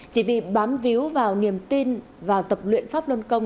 chỉ vì bám víu vào niềm tin và tập luyện pháp luân công